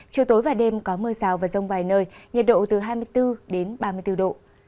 chiều tối và đêm có mưa rào và rông vài nơi nhiệt độ từ hai mươi bốn đến ba mươi bốn độ